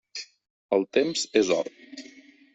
El temps és or.